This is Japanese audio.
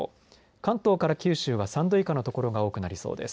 関東から九州は３度以下の所が多くなりそうです。